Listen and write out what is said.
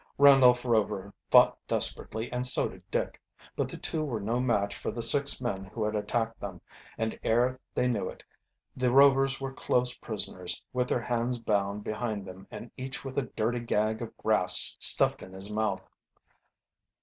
Randolph Rover fought desperately and so did Dick. But the two were no match for the six men who had attacked them, and ere they knew it the Rovers were close prisoners, with their hands bound behind them and each with a dirty gag of grass stuffed in his mouth.